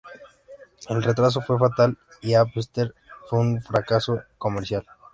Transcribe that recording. El retraso fue fatal y Harvester fue un fracaso comercial.